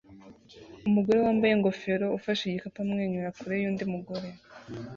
Umugore wambaye ingofero ufashe igikapu amwenyura kure yundi mugore